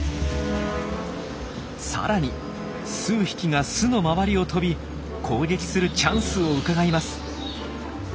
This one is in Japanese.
さらに数匹が巣の周りを飛び攻撃するチャンスをうかがいます。